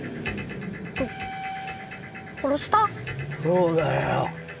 そうだよ。